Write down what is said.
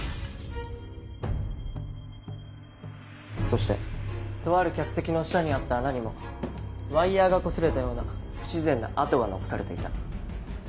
そしてとある客席の下にあった穴にもワイヤがこすれたような不自然な跡が残されていた。